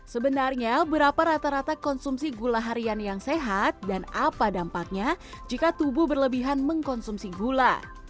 sebenarnya berapa rata rata konsumsi gula harian yang sehat dan apa dampaknya jika tubuh berlebihan mengkonsumsi gula